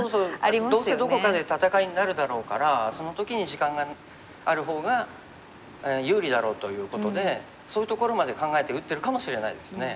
どうせどこかで戦いになるだろうからその時に時間がある方が有利だろうということでそういうところまで考えて打ってるかもしれないですね。